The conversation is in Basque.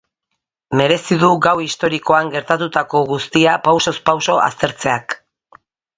Merezi du gau historikoan gertatutako guztia pausoz pauso aztertzeak.